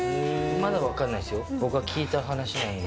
まだ分かんないですよ、僕、聞いた話なんで。